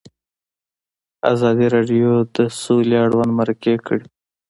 ازادي راډیو د سوله اړوند مرکې کړي.